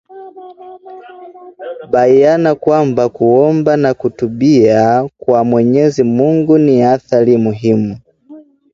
bayana kwamba kuomba na kutubia kwa Mwenyezi Mungu ni athari muhimu